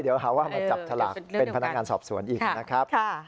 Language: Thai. เดี๋ยวหาว่ามาจับฉลากเป็นพนักงานสอบสวนอีกนะครับ